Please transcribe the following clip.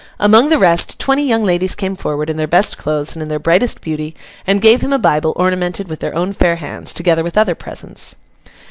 Among the rest, twenty young ladies came forward, in their best clothes, and in their brightest beauty, and gave him a Bible ornamented with their own fair hands, together with other presents.